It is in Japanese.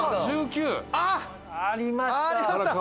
「あっ！ありました」